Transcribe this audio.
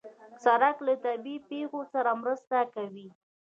سړک له طبیعي پېښو سره مرسته کوي.